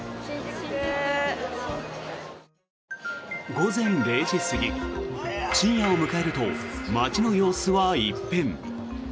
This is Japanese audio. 午前０時過ぎ、深夜を迎えると街の様子は一変。